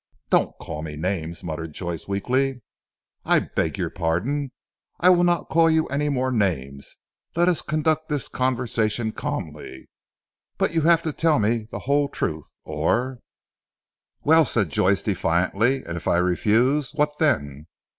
"Don't call names," muttered Joyce weakly. "I beg your pardon. I will not call you any more names. Let us conduct this conversation calmly. But you have to tell me the whole truth, or " "Well," said Joyce defiantly, "and if I refuse? What then."